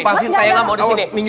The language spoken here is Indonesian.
pasin saya gak mau disini